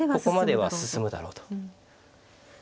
ここまでは進むだろうと。